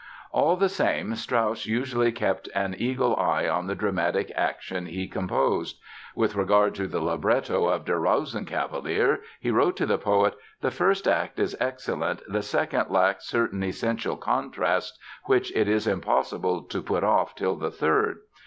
All the same Strauss usually kept an eagle eye on the dramatic action he composed. With regard to the libretto of Der Rosenkavalier he wrote to the poet "the first act is excellent, the second lacks certain essential contrasts which it is impossible to put off till the third.